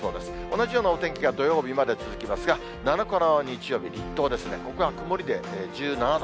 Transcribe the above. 同じようなお天気が土曜日まで続きますが、７日からは、日曜日ですね、立冬ですね、ここは曇りで、１７度。